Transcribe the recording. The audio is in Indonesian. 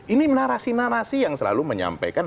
ini narasi narasi yang selalu menyampaikan